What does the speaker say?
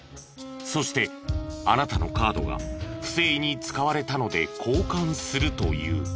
そしてあなたのカードが不正に使われたので交換すると言う。